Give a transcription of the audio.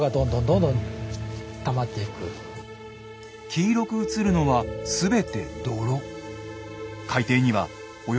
黄色く映るのは全て泥。